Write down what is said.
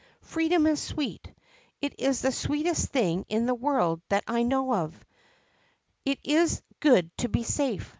Freedom is sweet! It is the sweetest thing in the world that I know of. It is good to be safe.